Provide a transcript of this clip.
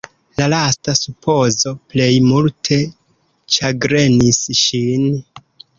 La lasta supozo plej multe ĉagrenis ŝin.